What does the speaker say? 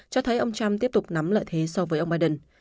cho thấy ông trump tiếp tục nắm lợi thế so với ông biden